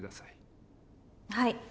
はい。